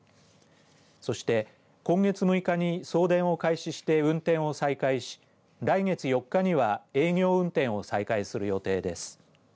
そして今月６日に送電を開始して運転を再開し、来月４日には営業運転を再開する予定です。